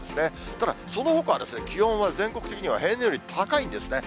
ただ、そのほかは気温は全国的には平年より高いんですね。